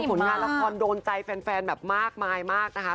ผลงานละครโดนใจแฟนแบบมากมายมากนะคะ